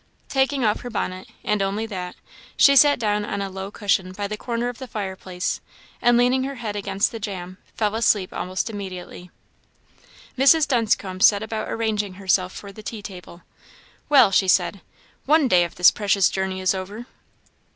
Taking off her bonnet, and only that, she sat down on a low cushion by the corner of the fire place, and leaning her head against the jamb, fell asleep almost immediately. Mrs. Dunscombe set about arranging herself for the tea table. "Well!" she said "one day of this precious journey is over!"